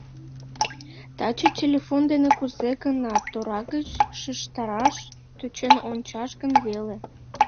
Таче телефон дене кузе-гынат тора гыч шижтараш тӧчен ончаш гын веле?